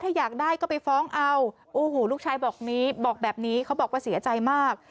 ถ้าอยากได้ก็ไปฟ้องเอาลูกชายบอกแบบนี้เขาบอกว่าเสียใจมาก